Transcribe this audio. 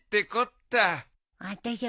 あたしゃ